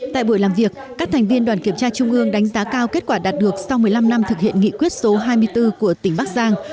tại buổi làm việc các thành viên đoàn kiểm tra trung ương đánh giá cao kết quả đạt được sau một mươi năm năm thực hiện nghị quyết số hai mươi bốn của tỉnh bắc giang